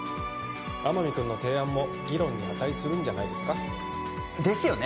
天海君の提案も議論に値するんじゃないですかですよね